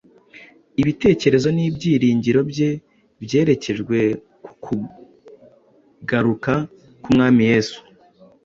Ibitekerezo n’ibyiringiro bye byerekejwe ku kugaruka k’Umwami Yesu.